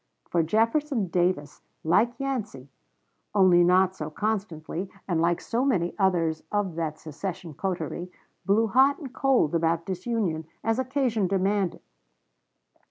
For Jefferson Davis, like Yancey, only not so constantly, and like so many others of that secession coterie, blew hot and cold about disunion as occasion demanded.